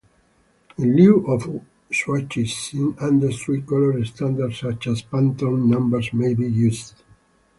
In lieu of swatches industry color standards such as Pantone numbers may be used.